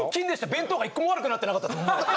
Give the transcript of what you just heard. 弁当がいっこも悪くなってなかったと思う。